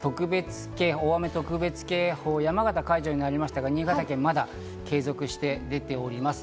関東でも雨が強まっていますが大雨特別警報、山形は解除になりましたが新潟県、まだ継続して出ております。